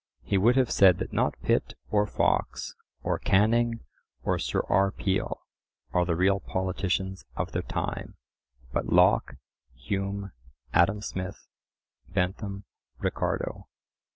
He would have said that not Pitt or Fox, or Canning or Sir R. Peel, are the real politicians of their time, but Locke, Hume, Adam Smith, Bentham, Ricardo.